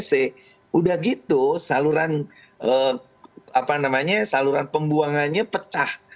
sudah gitu saluran saluran pembuangannya pecah